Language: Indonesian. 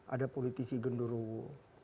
ada politisi genduruhu